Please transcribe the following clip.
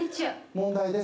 問題です。